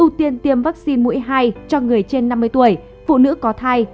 ưu tiên tiêm vaccine mũi hai cho người trên năm mươi tuổi phụ nữ có thai